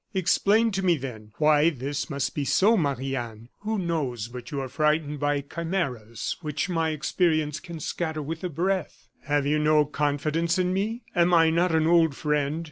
Explain to me, then, why this must be so, Marie Anne. Who knows but you are frightened by chimeras, which my experience can scatter with a breath? Have you no confidence in me? Am I not an old friend?